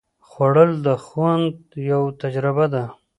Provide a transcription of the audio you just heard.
خوړل د خوند یوه تجربه ده